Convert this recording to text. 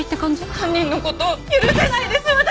犯人の事許せないです私！